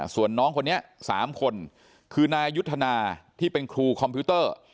ส่วนน้องคนนี้๓คนคือนายยุทธนาที่เป็นครูคอมพิวเตอร์